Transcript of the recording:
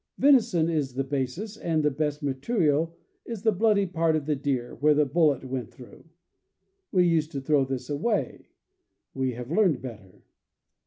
Venison is the basis, and the best material is the bloody part of the deer, where the bullet went through. We used to throw this away; we have learned better.